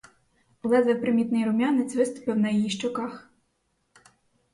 Ледве примітний рум'янець виступив на її щоках.